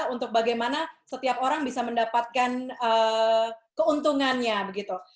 untuk bagaimana setiap orang bisa mendapatkan keuntungannya begitu